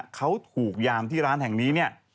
เขาถูกยามที่ร้านแห่งนี้เนี่ย